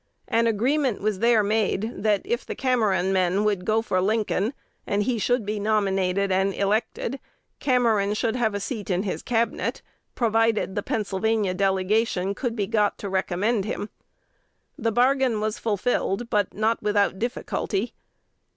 An agreement was there made, that, if the Cameron men would go for Lincoln, and he should be nominated and elected, Cameron should have a seat in his Cabinet, provided the Pennsylvania delegation could be got to recommend him. The bargain was fulfilled, but not without difficulty.